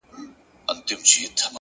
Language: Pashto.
هوډ د شکمنو قدمونو لارښود دی؛